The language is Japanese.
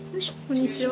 こんにちは。